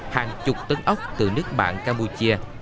hàng chục tấn ốc từ nước bạn campuchia